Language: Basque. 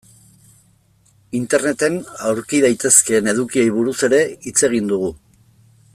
Interneten aurki daitezkeen edukiei buruz ere hitz egin dugu.